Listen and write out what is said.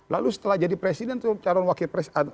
lalu setelah jadi presiden caron wakil presiden